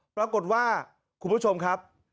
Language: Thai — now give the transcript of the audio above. ปรากฏว่าคุณผู้ชมครับ